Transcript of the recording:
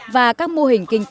và các mô hình kỹ thuật